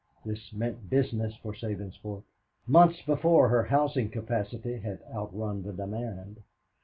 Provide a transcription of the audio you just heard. This meant business for Sabinsport. Months before her housing capacity had outrun the demand.